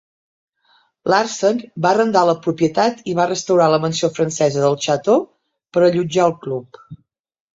Larsen va arrendar la propietat i va restaurar la mansió francesa del Chateau per allotjar el club.